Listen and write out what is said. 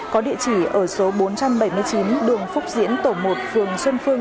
có địa chỉ ở số bốn trăm bảy mươi chín đường phúc diễn tổ một phường xuân phương